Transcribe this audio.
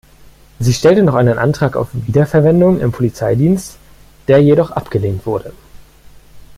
Sie stellte noch einen Antrag auf Wiederverwendung im Polizeidienst, der jedoch abgelehnt wurde.